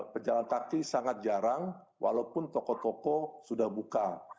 pejalan kaki sangat jarang walaupun toko toko sudah buka